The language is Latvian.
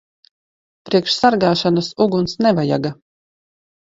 Priekš sargāšanas uguns nevajaga.